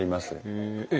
へえ。